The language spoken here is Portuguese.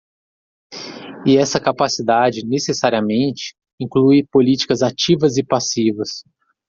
E essa capacidade, necessariamente, inclui políticas ativas e passivas.